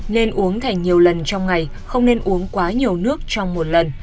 nên uống thành nhiều lần trong ngày không nên uống quá nhiều nước trong một lần